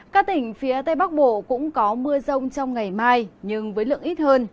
các tỉnh phía tây bắc bộ cũng có mưa rông trong ngày mai nhưng với lượng ít hơn